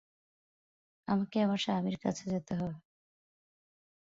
আমাকে আমার স্বামীর কাছে যেতে হবে।